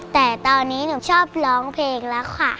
แต่ตอนนี้หนูชอบร้องเพลงแล้วค่ะ